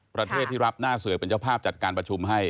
ประเทศที่รับหน้าเสือเป็นเจ้าภาพจัดการประชุมให้